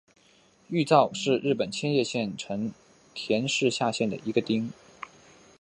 玉造是日本千叶县成田市下辖的一个町。